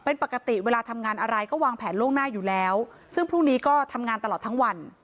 เป็นปกติเวลาทำงานอะไรก็วางแผนล่วงหน้าอยู่แล้วซึ่งพรุ่งนี้ก็ทำงานตลอดทั้งวัน